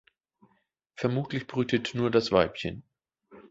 Vermutlich brütet nur das Weibchen.